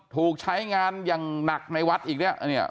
ถูกใช้งานอย่างหนักในวัดอีกเนี่ย